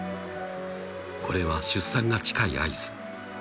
［これは出産が近い合図］